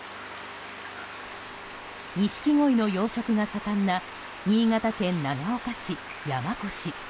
ニシキゴイの養殖が盛んな新潟県長岡市山越。